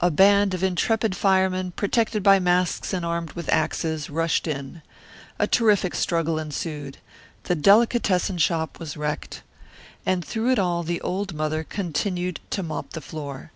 A band of intrepid firemen, protected by masks and armed with axes, rushed in. A terrific struggle ensued. The delicatessen shop was wrecked. And through it all the old mother continued to mop the floor.